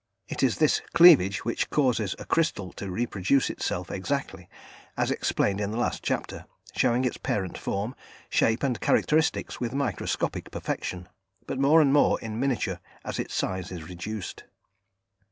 It is this "cleavage" which causes a crystal to reproduce itself exactly, as explained in the last chapter, showing its parent form, shape and characteristics with microscopic perfection, but more and more in miniature as its size is reduced.